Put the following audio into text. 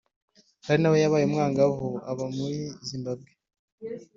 karina we yabaye umwangavu aba muri zimbabwe